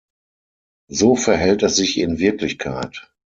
So verhält es sich in Wirklichkeit.